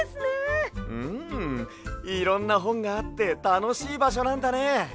うんいろんなほんがあってたのしいばしょなんだね。